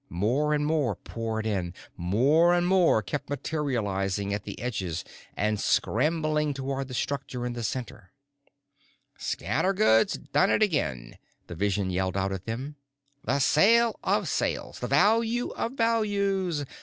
More and more poured in, more and more kept materializing at the edges and scrambling toward the structure in the center. "Scattergood's does it again!" the vision yelled out at them. "The sale of sales! The value of values!